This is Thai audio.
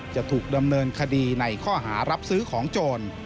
จะถูกดำเนินคดีในข้อหารับซื้อของโจร